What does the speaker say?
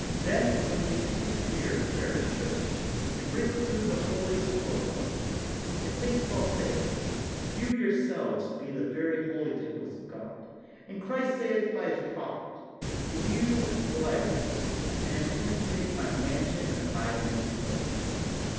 Then, when ye come into your parish church, you bring with you the holy temple of God; as St. Paul saith ''You ? your selves be the very holy temples of God ; and Christ saith by His prophet, "In you will I rest, and intend to make My mansion and abiding place."